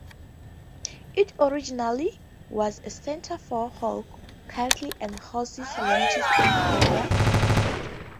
It originally was a center for hog, cattle, and horse ranches in the area.